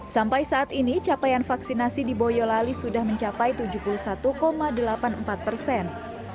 sampai saat ini capaian vaksinasi di boyolali sudah mencapai tujuh puluh satu delapan puluh empat persen